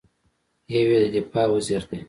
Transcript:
یو یې د دفاع وزیر دی.